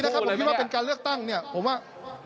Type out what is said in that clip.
สนุกนี้นะครับผมคิดว่าเป็นการเลือกตั้งเนี่ยผมว่า